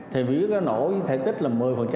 thì nó nổ với thể tích là một mươi